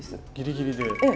ギリギリで。